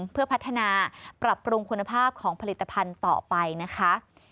เพื่อพัฒนาปรับปรุงคุณภาพของผลิตภัณฑ์ต่อไปนะคะ